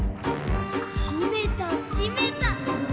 しめたしめた。